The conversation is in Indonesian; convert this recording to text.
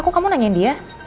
kok kamu nanyain dia